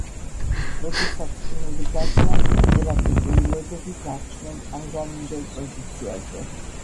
როდესაც ყინული გადნა, ერატიკული ლოდები დარჩნენ ამჟამინდელ პოზიციაზე.